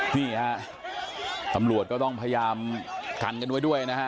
นี่ฮะตำรวจก็ต้องพยายามกันกันไว้ด้วยนะฮะ